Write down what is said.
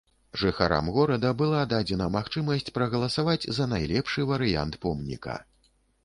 Жыхарам горада была дадзена магчымасць прагаласаваць за найлепшы варыянт помніка.